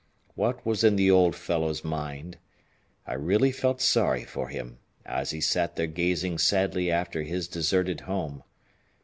What was in the old fellow's mind? I really felt sorry for him, as he sat there gazing sadly after his deserted home.